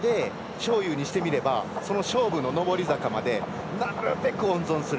なので、章勇にしてみればその勝負の上り坂までなるべく温存する。